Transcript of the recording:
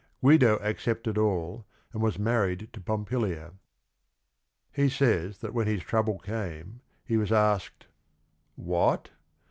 '" Guido accepted all and was married to Pompilia. He says that when his trouble came he was asked " 'What?